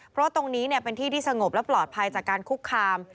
เพราะตรงนี้เป็นที่ที่สงบและปลอดภัยจากการคุกคาม